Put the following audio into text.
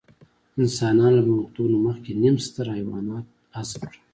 انسانانو له پرمختګونو مخکې نیم ستر حیوانات حذف کړل.